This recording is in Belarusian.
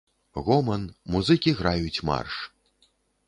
Гоман, музыкі граюць марш.